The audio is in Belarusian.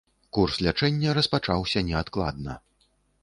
Курс лячэння распачаўся неадкладна.